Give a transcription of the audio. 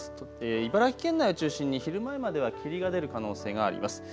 茨城県内を中心に昼前までは霧が出る可能性があります。